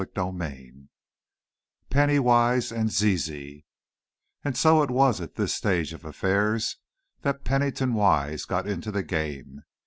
CHAPTER X Penny Wise and Zizi And so it was at this stage of affairs that Pennington Wise got into the game.